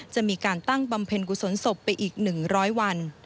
จะมีการตั้งบำเพ็ญกุศลศพไปอีก๑๐๐วัน